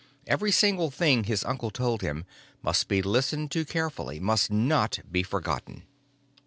Every single thing his uncle told him must be listened to carefully, must not be forgotten.